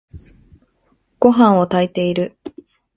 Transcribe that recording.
ごはんを炊いている。